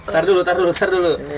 taruh dulu taruh dulu taruh dulu